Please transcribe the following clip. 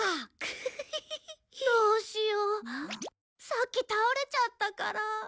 さっき倒れちゃったから。